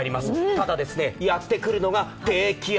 ただ、やってくるのが低気圧。